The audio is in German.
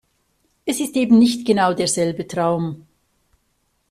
Es ist eben nicht genau derselbe Traum.